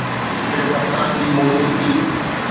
ھڪڙي ڪپتان جي موجودگي